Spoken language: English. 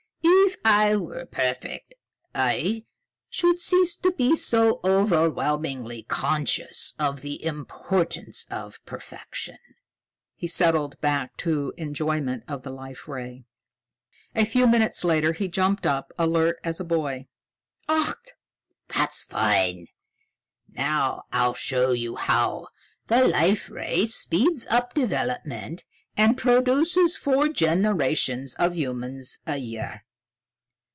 "If I were perfect, I should cease to be so overwhelmingly conscious of the importance of perfection." He settled back to enjoyment of the Life Ray. A few minutes later, he jumped up, alert as a boy. "Ach! That's fine. Now I'll show you how the Life Ray speeds up development and produces four generations of humans a year."